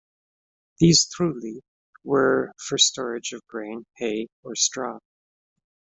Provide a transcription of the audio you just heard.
These trulli were for storage of grain, hay, or straw.